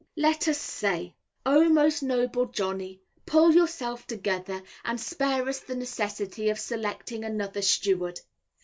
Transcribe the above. LET US SAY. O most noble Johnny, pull yourself together, and spare us the necessity of selecting another steward.